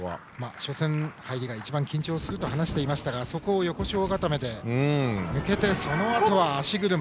初戦の入りが一番緊張すると話していましたがそこを横四方固めで抜けて、そのあとは足車。